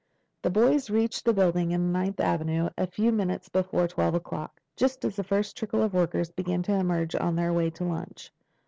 The boys reached the building on Ninth Avenue a few minutes before twelve o'clock, just as the first trickle of workers began to emerge on their way to lunch.